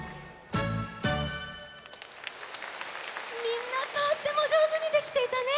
みんなとってもじょうずにできていたね！